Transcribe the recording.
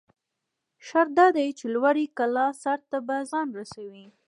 شرط دا دى، چې لوړې کلا سر ته به ځان رسوٸ.